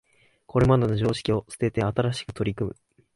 これまでの常識を捨てて新しく取り組む